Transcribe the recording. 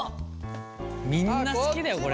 みんな好きだよこれ。